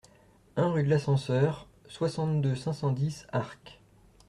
un rue de l'Ascenseur, soixante-deux, cinq cent dix, Arques